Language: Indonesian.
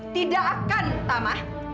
tidak akan tamah